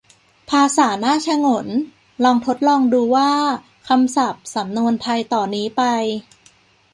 ภาษาน่าฉงน : ลองทดลองดูว่า คำศัพท์ สำนวนไทยต่อนี้ไป